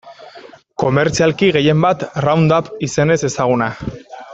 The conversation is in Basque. Komertzialki gehien bat Roundup izenez ezaguna.